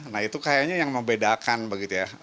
nah itu kayaknya yang membedakan begitu ya